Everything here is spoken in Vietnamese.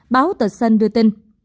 báo tờ sun đưa tin